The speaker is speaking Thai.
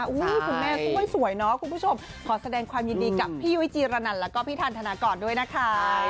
คุณแม่สวยเนาะคุณผู้ชมขอแสดงความยินดีกับพี่ยุ้ยจีรนันแล้วก็พี่ทันธนากรด้วยนะคะ